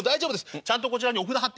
ちゃんとこちらにお札貼って。